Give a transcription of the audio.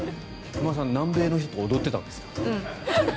菊間さん、南米の人と踊ってたんですか？